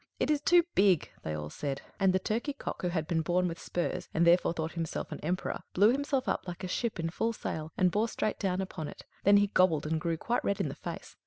"It is too big!" they all said. And the turkey cock, who had been born with spurs, and therefore thought himself an emperor, blew himself up like a ship in full sail, and bore straight down upon it; then he gobbled and grew quite red in the face.